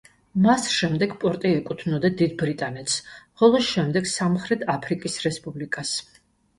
მას შემდეგ პორტი ეკუთვნოდა დიდ ბრიტანეთს, ხოლო შემდეგ სამხრეთ აფრიკის რესპუბლიკას.